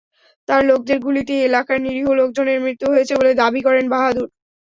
তাঁর লোকদের গুলিতেই এলাকার নিরীহ লোকজনের মৃত্যু হয়েছে বলে দাবি করেন বাহাদুর।